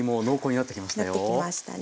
なってきましたね。